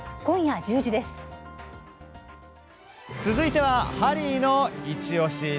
続いてはハリーのイチオシ！